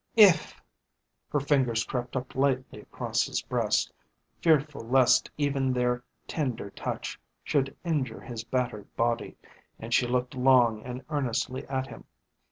if ! Her fingers crept up lightly across his breast, fearful lest even their tender touch should injure his battered body, and she looked long and earnestly at him.